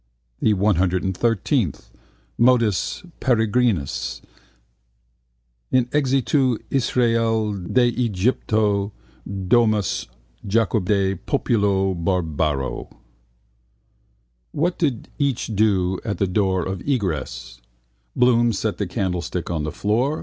The 113th, modus peregrinus: In exitu Israël de Egypto: domus Jacob de populo barbaro. What did each do at the door of egress? Bloom set the candlestick on the floor.